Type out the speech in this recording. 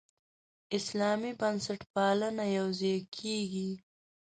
اسلامي بنسټپالنه یوځای کېږي.